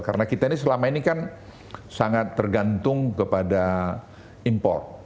karena kita ini selama ini kan sangat tergantung kepada import